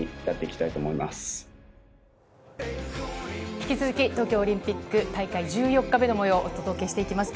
引き続き、東京オリンピック大会１４日目の模様をお届けしていきます。